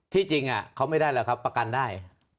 ที่จริงเขาไม่ได้แล้วครับประกันได้